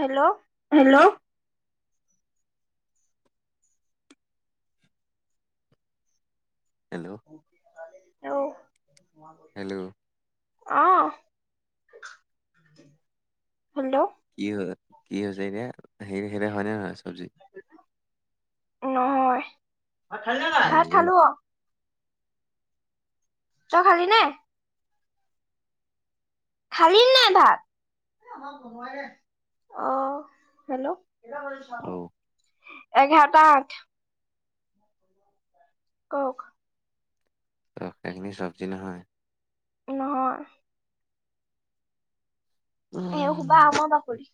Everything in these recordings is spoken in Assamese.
হেল্ল'। হেল্ল'। হেল্ল'। অও। [inaudible] হেল্ল' অহ, হেল্ল'। কি হ, কি হৈছে এতিয়া? হে-সে হয়নে নহয় চবজী? নহয়, ভাত খালি নে নাই? ভাত খালো অ। তই খালি নে? খালি নে ভাত? এ আমাৰ বনুৱাএ নাই। অহ, হেল্ল'। অ এঘাৰটা আঠ। কওঁক। ত এইখিনি চব্জি নহয়। নহয়। এ খোপা আমাৰ বাকলি।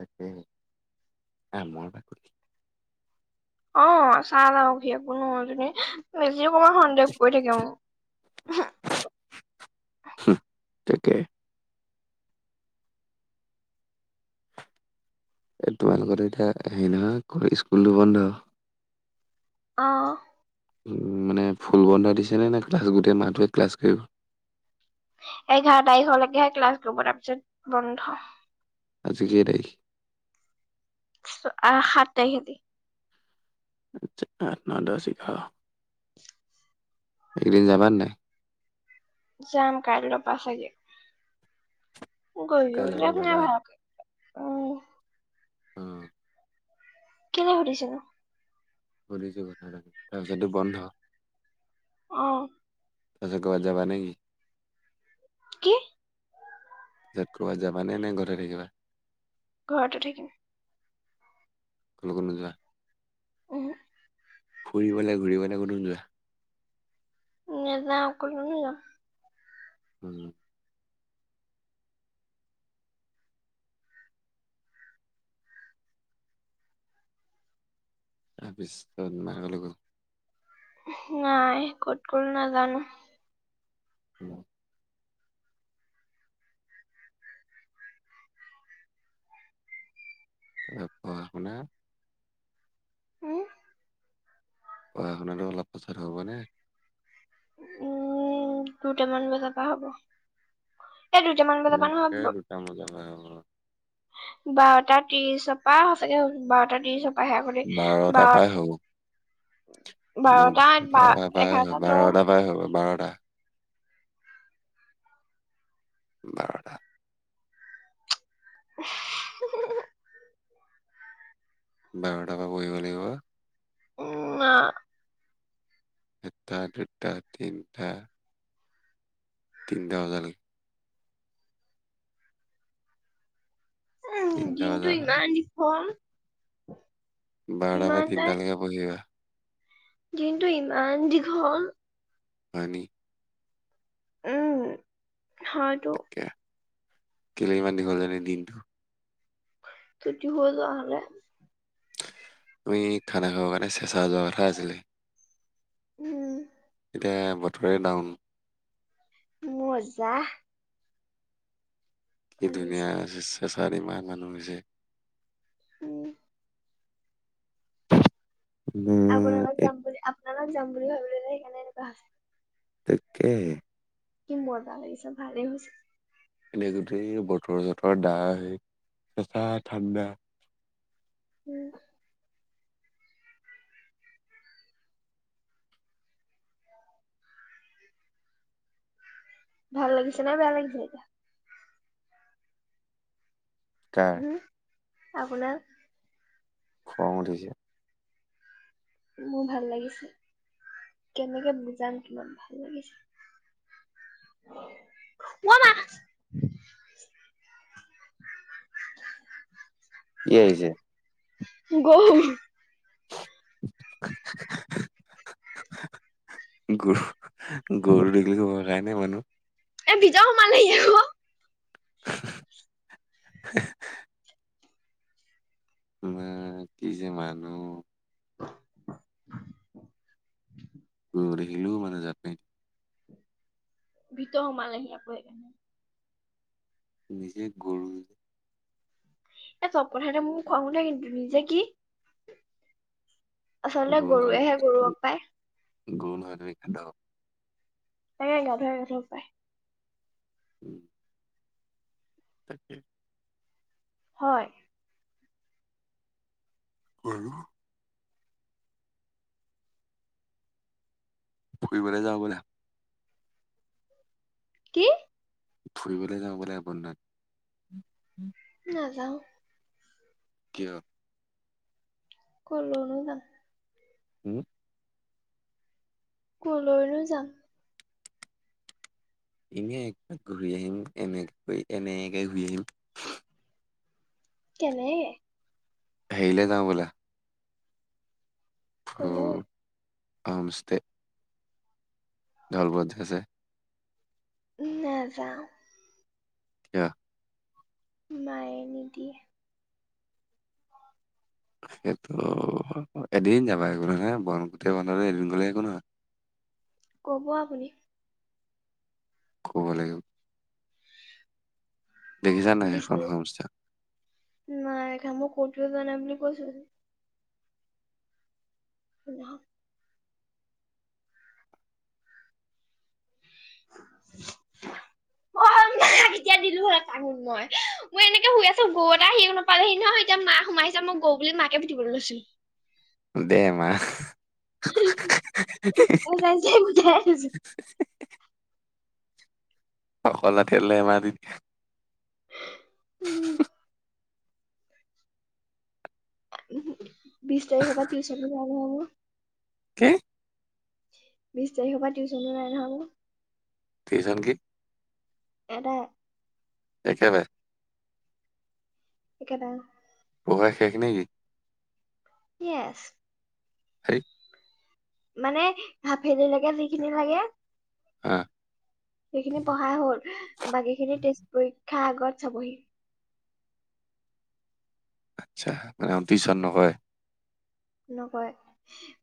তাকে আমৰ বাকলি। অ', [unintelligible] সন্দেহ কৰি থাকে মোক। তাকে। এ তোমালোকৰ এতিয়া হেৰি নহয় স্কুলটো বন্ধ। আহ। মানে ফুল বন্ধ দিছেনে নে ক্লাছ গোটেই মাহটোৱে ক্লাছ কৰিব? এঘাৰ তাৰিখলৈকেহে ক্লাছ কৰিব। তাৰপিছত বন্ধ। আজিকেই তাৰিখ? সাত তাৰিখে। আঠ ন দহ এঘাৰ। এইকেই দিন যাবা নাই? যাম কাইলৈ পা ছাগে। গৈও কাইলৈৰ পৰা ভাল নাই যাবা হোৱা উম। উম। কেলে সুধিছেনো? সুধিছো কথা এটা তাৰপিছত বন্ধ। আহ। তাৰ পিছত ক'ৰবাত যাবা নে কি? কি? তাৰ পিছত ক'ৰবাত যাবানে নে ঘৰত থাকিবা? ঘৰতে থাকিম। কলৈকো নুযোৱা? উম ফুৰিবাই ঘূৰিবলৈ কতো নযোৱা? নাযাওঁ ক'তো। উম। পাৰ পিছত মা কলৈ গ'ল? নাই ক'ত গ'ল নাজানো। উম। তাৰ পিছত পঢ়া শুনা। উম পঢ়া শুনাতটো অলপ পিছত হ'ব নে? উম, দুটামান বজাৰ পা হ'ব। এই দুটামান বজাৰ পৰা নহয় তেনেকে দুটা মজা হয় হ'ব। বাৰটা ত্ৰিশৰ পৰা সচাগে বাৰটা ত্ৰিশৰ পৰা আহে আগি বাৰটা বাৰ পাই হ'ব মোৰ বাৰটা বা বাৰটাৰ পৰাই এঘাৰটা দহ বাৰটাৰ পৰাই হৈ বাৰটা বাৰটা। [inaudible] ডাঙৰ ডাঙৰ পঢ়িব লাগিব। উম, না। এটা দুটা তিনিটা। তিনিটা বজালৈ। উম তিনটা দিনটো বজা ইমান দীঘল। বাৰটা বা ইমান টাইম তিনিটা লৈকে পঢ়িবা। দিনটো ইমান দীঘল। হয় নেকি? উম, হয়তো। কেইলে ইমান দীঘল জানি দিনটো। ছুটি হ'ল নহ'লে। তুমি খানা খাব কাৰণে চেঁচা যোৱা কথা আছিলে? উম। এতিয়া বতৰে ডাউন। মজাহ। কি ধুনীয়া আছে চে-চাৰিমাহ মানুহ হৈছে। উম। উম, আপোনাৰ লগত এই যাম বুলি আপোনাৰ লগত যাম বুলি ভাবিলোঁ যে সেইকাৰণে এনেকুৱা হৈছে। তেকেই। কি মজা লাগিছে, ভালেই হৈছে। এনে গোটেই বতৰ চতৰ দা হেৰি কেচা ঠাণ্ডা। উম ভাল লাগিছে নে বেয়া লাগিছে এতিয়া? কাৰ হু, আপোনাৰ? খং উঠিছে। মোৰ ভাল লাগিছে। কেনেকে বুজাম কিমান ভাল লাগিছে। অমা কি আহিছে? গৰু। [unintelligible] গ, গৰু দেখিলে ভয় পাইনে মানুহ। ভিতৰত সোমালহি গৰু। [unintelligible] আমাৰ কি যে মানুহ। দেখিলোঁ মানে জাত নাই। ভিতৰত সোমালহি আকৌ। নিজেই গৰু। এই চব কথাতে মোৰ খং উঠে কিন্তু। নিজে কি? আচলতে গৰু নহয় গৰুৱেহে গৰু লগ পায়। গৰু নহয় তুমি গাধ। এয়াই গাধৱে গাধক পায়। উম। তাকেই। হয়। [unintelligible] ফুৰিবলে যাওঁ ব'লে। কি? ফুৰিবলৈ যাওঁ বলা বন্নাত। নাযাওঁ। কিয়? কলোনো না। হুম? কলৈনো যাম? এনেই একবাক ঘূৰি আহিম, এনেকৈ এনে ঘূৰি আহিম। কেনে? হেৰিলে যাওঁ ব'লা। কলৈ? হ'মষ্টে। দল বদ্ধ যে। নাযাওঁ। [unintelligible] মায়ে নিদিয়ে। সেইটো এদিন যাবা একো ন নয় বন গোটেই বন্ধ এদিন গ'লে একো নহয়। [inaudible] কব আপুনি। কব লাগিব। দেখিছা নাই বি সেইখন তাৰিখ, হোম ষ্টে নাই এখামোৰ কতও জ নাই বুলি কৈছো। উম। অ' মা কেতিয়া দিলো হয় [inaudible] মই মই এনেকে শুই আছো গৰু এ আহি নাপালেহি নহয় এতিয়া মা সোমাইছে মই গৌ বুলি মাকে পিটিব লাগ লৈছো। দে মাকহ। [inaudible] সকল নাতিলে মা দি। বিছ তাৰিখৰ পৰা টউচন যান হব। কি? বিশ তাৰিখৰ পৰা টিউচনো নাই নহয় বোলো। টিউচন কি? এটা। একেবাৰে। একেবাৰেই। পঢ়া শেষ নেকি? ইয়েছ। [unintelligible] মানে, হাফেলিলৈকে যিখিনি লাগে। অ'। সেইখিনি পঢ়া হল বাকীখিনি ষ্টে পৰীক্ষাৰ আগত চাবহি। আচ্ছা অ' টিউচন নকৰে? নকৰে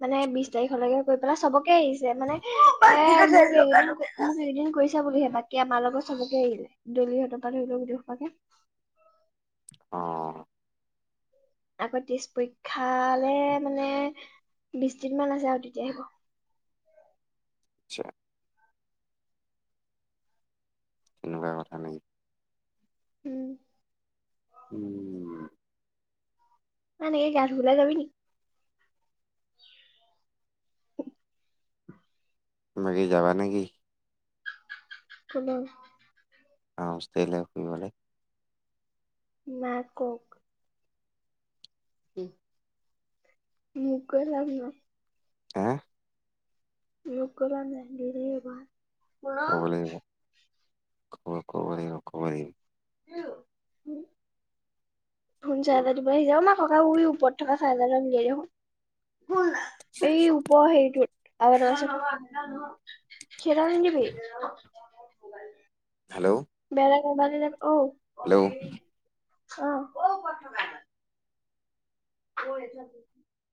মানে বিশ তাৰিখলৈকে গৈ পেলাই চবকে আহিছে মানে এ এদিন কৰিছা বুলিহে বাকী আমাৰ লগত চবকে আহিলে দলিহঁতৰপাত হৈৰি গলো দেখোপাকে। আহ। আকৌ ত্ৰিশ পৰীক্ষালে মানে বিশ দিন মান আছে আৰু তেতিয়া আহিব। আচছা। তেনেকুৱা কথা নেকি? উম। উম। ম নেকি গা বোল যাবি নেকি? বাকি যাবা নেকি? [unintelligible] [unintelligible] মা কত? [inaudible] হে লোক ক মেন্দ এবাৰ কল। ক'ব লাগিব [unintelligible] [inaudible] ধোন চাহজাৰ দিবলৈ সিজা না ককা উ ওপৰত থকা চাহজাৰটা মিলিয়াই দেখোন। এই উপ সেইটো আৰু এটা আছে। [unintelligible] নিবি হেল্ল' বেলেগ বান হেল্ল' অ ক কথা ব জন